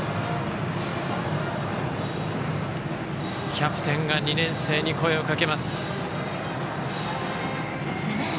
キャプテンが２年生に声をかけます。